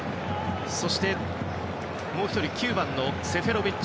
そして、もう１人９番のセフェロビッチ。